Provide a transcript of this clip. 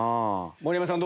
盛山さん